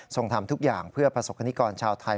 ทำทุกอย่างเพื่อประสบคณิกรชาวไทย